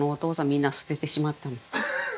みんな捨ててしまったの。